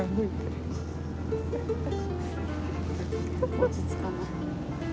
落ち着かない。